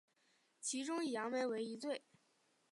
其中以杨梅为一最。